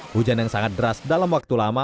hujan yang sangat deras dalam waktu lama